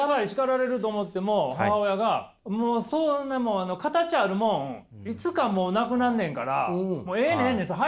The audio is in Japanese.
叱られる！と思っても母親が「もうそんなもん形あるもんいつかもう無くなるねんからもうええんねんええねん。